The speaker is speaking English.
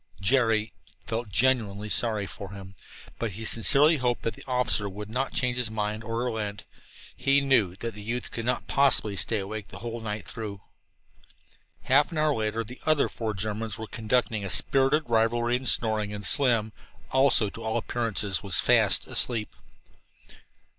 Jerry felt genuinely sorry for him, but he sincerely hoped that the officer would not change his mind or relent. He knew the youth could not possibly stay awake the whole night through. Half an hour later the other four Germans were conducting a spirited rivalry in snoring, and Slim, also, to all appearances, was fast asleep.